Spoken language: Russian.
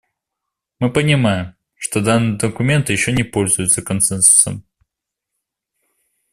Мы понимаем, что данный документ еще не пользуется консенсусом.